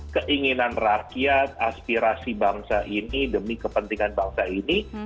keinginan rakyat aspirasi bangsa ini demi kepentingan bangsa ini